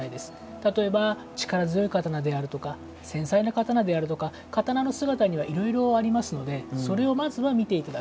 例えば、力強い刀であるとか繊細な刀であるとか、刀の姿にはいろいろありますのでそれをまずは見ていただく。